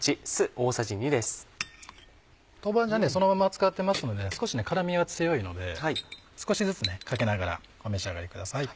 豆板醤そのまま使ってますので少し辛味が強いので少しずつかけながらお召し上がりください。